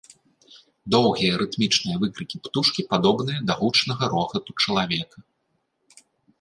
Доўгія рытмічныя выкрыкі птушкі падобныя да гучнага рогату чалавека.